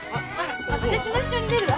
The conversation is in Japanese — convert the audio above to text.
私も一緒に出るわ。